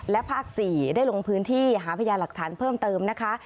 และภาค๔ได้ลงพื้นที่หาพยาหลักฐานเพิ่มเติมนะคะ